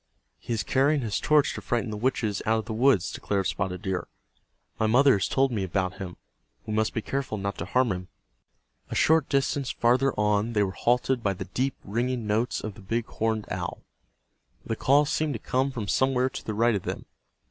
"He is carrying his torch to frighten the witches out of the woods," declared Spotted Deer. "My mother has told me about him. We must be careful not to harm him." A short distance farther on they were halted by the deep ringing notes of the big horned owl. The call seemed to come from somewhere to the right of them.